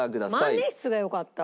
万年筆がよかった。